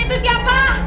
eh itu siapa